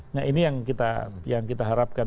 nah ini yang kita harapkan